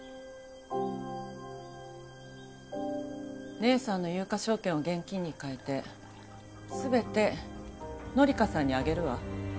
姉さんの有価証券を現金に換えて全て紀香さんにあげるわ。